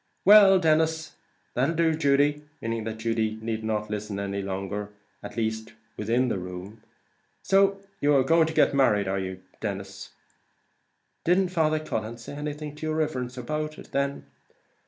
"Well, Denis that'll do, Judy," meaning that Judy need not listen any longer, at any rate within the room "so you are going to get married, are you?" "Didn't Father Cullen say anything to your riverence about it, then?"